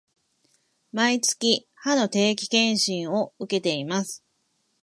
毎月、歯の定期検診を受けています